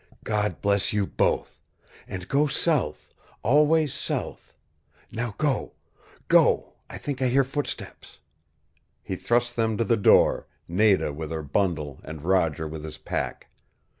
"God bless you both! And go south always south. Now go go! I think I hear footsteps " He thrust them to the door, Nada with her bundle and Roger with his pack.